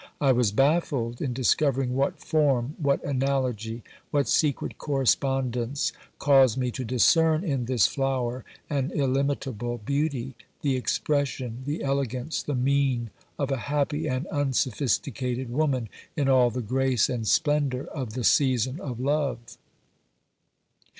I was baffled in discover ing what form, what analogy, what secret correspondence caused me to discern in this flower an illimitable beauty, the expression, the elegance, the mien of a happy and unsophisticated woman in all the grace and splendour of the season of love.